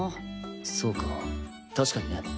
そうかたしかにね。